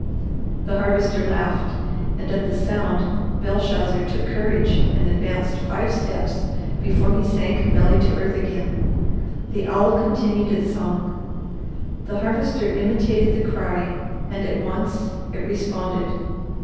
The Harvester laughed and at the sound Belshazzar took courage and advanced five steps before he sank belly to earth again. The owl continued its song. The Harvester imitated the cry and at once it responded.